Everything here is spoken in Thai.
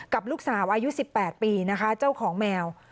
กับลูกสาวอายุ๑๘ปีนะคะเจ้าของแมว